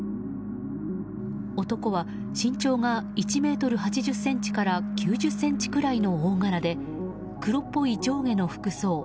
男は身長が１ｍ８０ｃｍから９０ｃｍくらいの大柄で黒っぽい上下の服装。